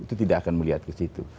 itu tidak akan melihat ke situ